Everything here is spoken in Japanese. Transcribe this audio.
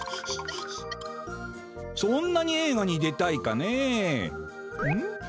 そんなにえいがに出たいかね。